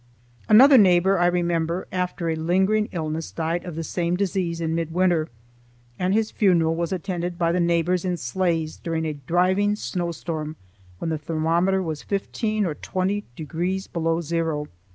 Another neighbor, I remember, after a lingering illness died of the same disease in midwinter, and his funeral was attended by the neighbors in sleighs during a driving snowstorm when the thermometer was fifteen or twenty degrees below zero.